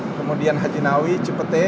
kemudian hajinawi cepete